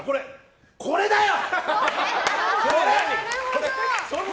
これだよ！